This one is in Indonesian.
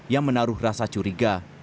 yang menaruh rasa curiga